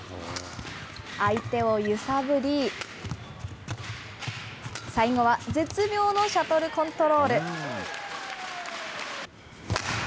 相手を揺さぶり、最後は絶妙のシャトルコントロール。